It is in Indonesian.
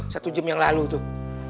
satu jam yang lalu tuh